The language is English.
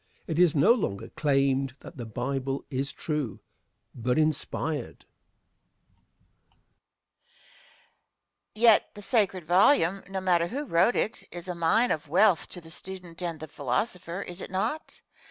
It is no longer claimed that the Bible is true but inspired. Question. Yet the sacred volume, no matter who wrote it, is a mine of wealth to the student and the philosopher, is it not?